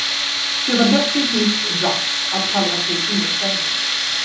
Det var definitivt dags att pallra sig ur sängen.